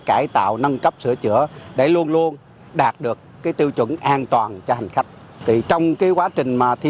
cải tạo nâng cấp sửa chữa để luôn luôn đạt được tiêu chuẩn an toàn cho hành khách trong quá trình